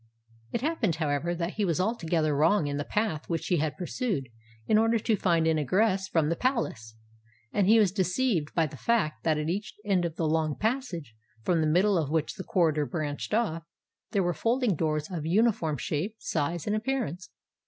It happened, however, that he was altogether wrong in the path which he had pursued in order to find an egress from the palace; and he was deceived by the fact that at each end of the long passage, from the middle of which the corridor branched off, there were folding doors of an uniform shape, size, and appearance.